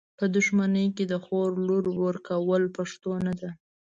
په دښمني کي د خور لور ورکول پښتو نده .